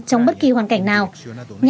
trong bất kỳ hoàn cảnh nào